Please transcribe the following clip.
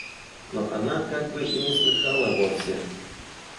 Но она как бы и не слыхала вовсе.